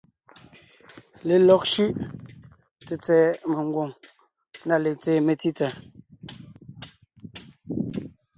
Lelɔg shʉ́ʼ tsètsɛ̀ɛ mengwòŋ na letseen metsítsà.